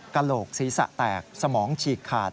กระโหลกศีรษะแตกสมองฉีกขาด